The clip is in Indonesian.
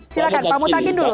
silakan pak mutakin dulu